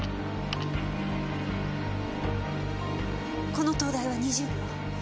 この灯台は２０秒。